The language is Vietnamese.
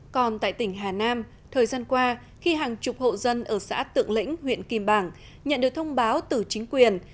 còn tại tỉnh hà nam thời gian qua khi hàng chục hộ dân ở xã tượng lĩnh huyện kim bảng nhận được thông báo từ chính quyền